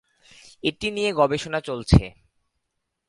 এটি নিয়ে গবেষণা চলছে।